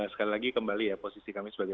sekali lagi kembali ya posisi kami sebagai